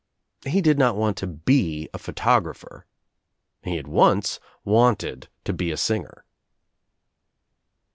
He did not want to be a photographer. He had once wanted to be a singer.